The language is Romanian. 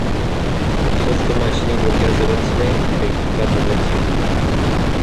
Softul mașinii blochează roțile a explicat un vecin.